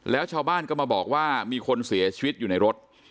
แล้วชาวบ้านก็มาบอกว่ามีคนเสียชีวิตอยู่ในรถ